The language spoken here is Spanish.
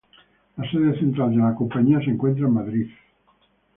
La sede central de la compañía se encuentra en Madrid.